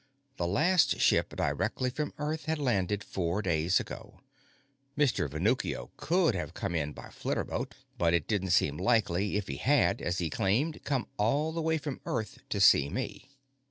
The last ship directly from Earth had landed four days ago. Mr. Venuccio could have come in by flitterboat, but it didn't seem likely, if he had, as he claimed, come all the way from Earth to see me.